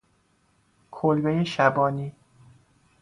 کلبه شبانی